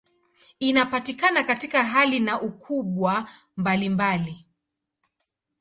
Inapatikana katika hali na ukubwa mbalimbali.